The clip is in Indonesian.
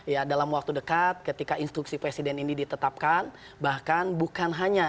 ya dalam waktu dekat ketika instruksi presiden ini ditetapkan bahkan bukan hanya